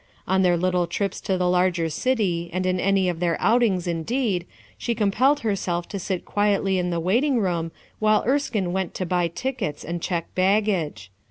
On their little trips to the larger city and in any of their outings indeed, she com pelled herself to sit quietly in the waiting room, while Erskine went to buy tickets and check baggage.